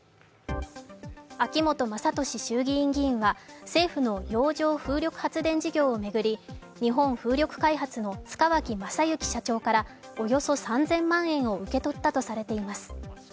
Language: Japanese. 秋本真利衆議院議員は、政府の洋上風力発電事業を巡り日本風力開発の塚脇正幸社長からおよそ３０００万円を受け取ったとされています。